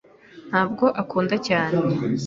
ntabwo akunda cyane.